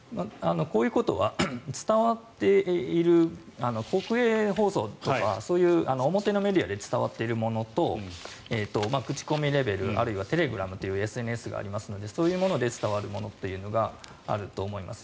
こういうことは国営放送とかそういう表のメディアで伝わっているものと口コミレベルあるいはテレグラムというものがありますがそういうもので伝わるものというのがあると思います。